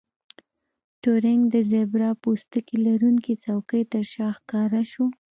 ټورینګ د زیبرا پوستکي لرونکې څوکۍ ترشا راښکاره شو